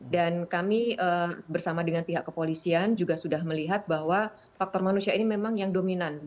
dan kami bersama dengan pihak kepolisian juga sudah melihat bahwa faktor manusia ini memang yang dominan